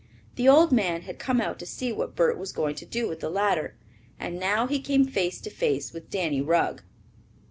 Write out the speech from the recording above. The old man had come out to see what Bert was going to do with the ladder, and now he came face to face with Danny Rugg.